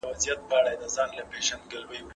د کتاب محتوا باید ستاسو اړتیاوې پوره کړي.